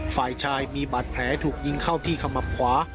ฝ่ายชายมีบาดแผลถูกยิงเข้าที่ขมับขวา